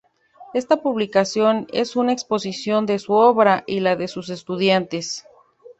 Esta publicación es una exposición de su obra y la de sus estudiantes.